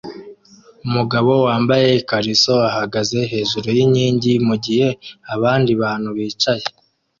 Umugabo wambaye ikariso ahagaze hejuru yinkingi mugihe abandi bantu bicaye